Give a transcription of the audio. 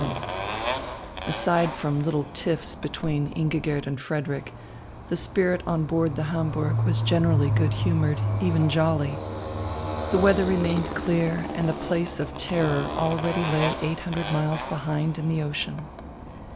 LVII Aside from little tiffs between Ingigerd and Frederick, the spirit on board the Hamburg was generally good humoured, even jolly. The weather remained clear, and the place of terror already lay eight hundred miles behind in the ocean.